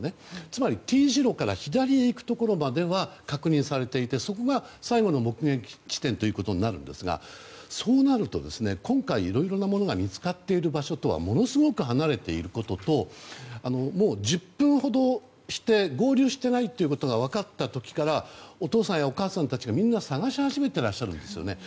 つまり、Ｔ字路から左に行くところまでは確認されていて、そこが最後の目撃地点となるんですがそうなると今回いろいろなものが見つかっている場所とはものすごく離れていることと１０分ほどして合流していないということが分かった時からお父さんやお母さんたちが捜し始めてらっしゃるんですよね。